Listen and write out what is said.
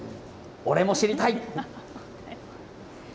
俺も知りたい。